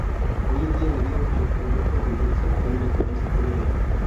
Hoy en día, debido al aumento del turismo pueden encontrarse todo el año.